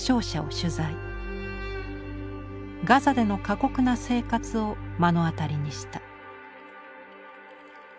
ガザでの過酷な生活を目の当たりにした。